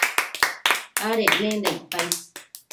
adecmenda icpaid